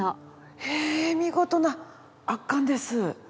へえ見事な圧巻です。